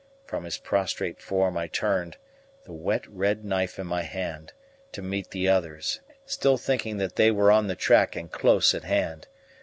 From his prostrate form I turned, the wet, red knife in my hand, to meet the others, still thinking that they were on the track and close at hand.